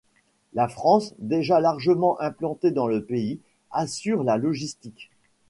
La France, déjà largement implantée dans le pays, assure la logistique.